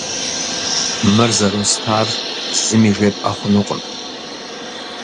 Мыр зэростар зыми жепӏэ хъунукъым.